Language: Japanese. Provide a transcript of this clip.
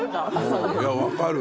いやわかる。